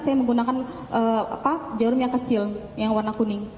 saya menggunakan jarum yang kecil yang warna kuning